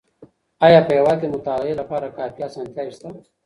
آيا په هېواد کي د مطالعې لپاره کافي اسانتياوې سته؟